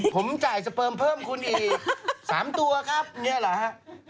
ผมจ่ายสเปิมเพิ่มคุณอีก๓ตัวครับเนี่ยเหรอฮะ